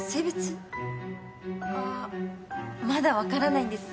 あまだ分からないんです。